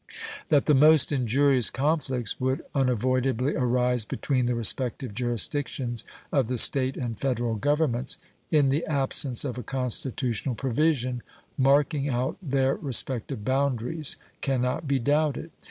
That the most injurious conflicts would unavoidably arise between the respective jurisdictions of the State and Federal Governments in the absence of a constitutional provision marking out their respective boundaries can not be doubted.